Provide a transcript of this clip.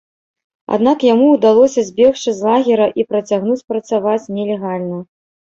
Аднак яму ўдалося збегчы з лагера і працягнуць працаваць нелегальна.